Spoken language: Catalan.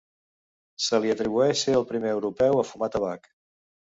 Se li atribueix ser el primer europeu a fumar tabac.